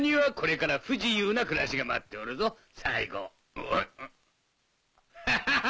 お？ハハハ！